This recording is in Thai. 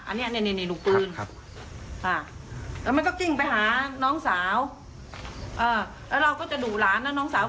อันนี้ดูปืนแล้วมันก็กิ้งไปหาน้องสาวแล้วเราก็จะดุหลานแล้วน้องสาว